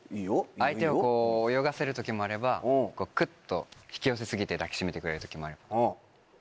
相手を泳がせる時もあればクッと引き寄せ過ぎて抱き締めてくれる時もあれば。